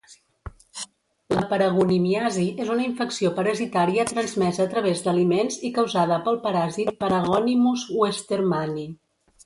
La paragonimiasi és una infecció parasitària transmesa a través d'aliments i causada pel paràsit Paragonimus westermani.